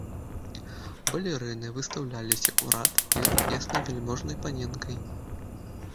Балерыны выстаўляліся ў рад перад яснавяльможнай паненкай.